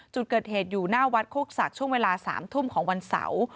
จุดเกิดเหตุอยู่หน้าวัดโคกศักดิ์ช่วงเวลา๓ทุ่มของวันเสาร์